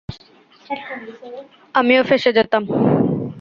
আমিও ফেঁসে যেতাম।